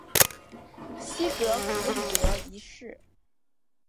西格弗里德一世。